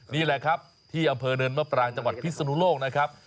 นี่แหละครับที่อำเภอเนินมะปรางจังหวัดพิศนุโลกนะครับ